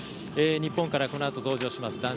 日本から、このあと登場します